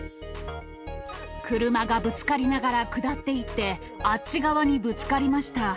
車がぶつかりながら下っていって、あっち側にぶつかりました。